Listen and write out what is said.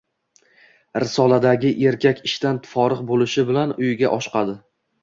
Risoladagi erkak ishdan forig‘ bo‘lishi bilan uyiga oshiqadi.